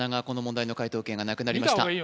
この問題の解答権がなくなりました